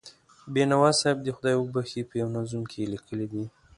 بینوا صاحب دې خدای وبښي، په یوه نظم کې یې لیکلي دي.